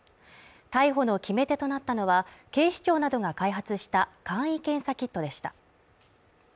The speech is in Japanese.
逮捕の決め手となったのは、警視庁などが開発した簡易検査キットでした。